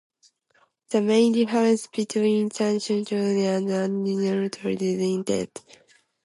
The main difference between intentional torts and unintentional torts is intent.